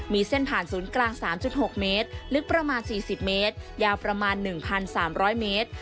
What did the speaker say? มีเส้นผ่านศูนย์กลาง๓๖เมตรลึกประมาณ๔๐เมตรยาวประมาณ๑๓๐๐เมตร